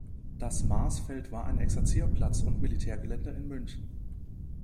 Das Marsfeld war ein Exerzierplatz und Militärgelände in München.